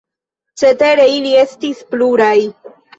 Cetere, ili estis pluraj.